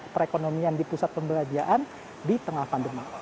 perekonomian di pusat pembelajaran di tengah pandemi